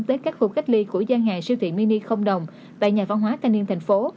tới các khu cách ly của gian hàng siêu thị mini không đồng tại nhà văn hóa thanh niên thành phố